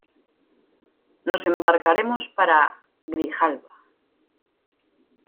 nos embarcaremos para Grijalba: